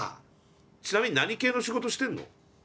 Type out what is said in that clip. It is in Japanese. ちなみに何系の仕事してんの？